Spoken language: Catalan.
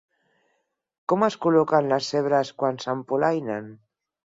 Com es col·loquen les zebres quan s'empolainen?